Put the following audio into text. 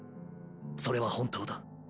それは本当だ。